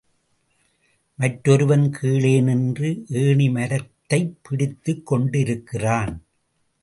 மற்றொருவன் கீழே நின்று ஏணிமரததைப் பிடித்துக் கொண்டிருக்கிறான்.